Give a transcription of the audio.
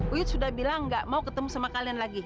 wit sudah bilang gak mau ketemu sama kalian lagi